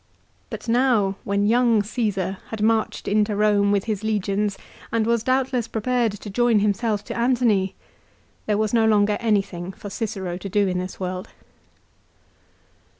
But now when young Caesar had marched into Eome with his legions, and was doubtless prepared to join himself to Antony, there was no longer anything for Cicero to do in this world.